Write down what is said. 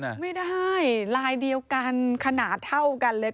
ไม่ได้ลายเดียวกันขนาดเท่ากันเลย